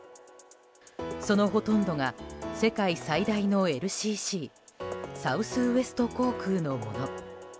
そのほとんどが世界最大のＬＣＣサウスウエスト航空のもの。